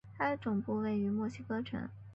它的总部位于墨西哥城。